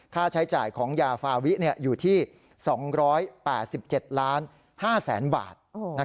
ค่าใช้จ่ายของยาฟาวิอยู่ที่๒๘๗๕๐๐๐๐บาท